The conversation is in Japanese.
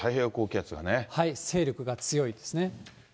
勢力が強いですね。